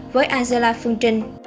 với angela phương trình